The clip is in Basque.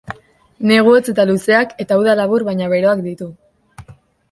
Negu hotz eta luzeak, eta uda labur baina beroak ditu.